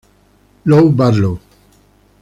Lou Barlow.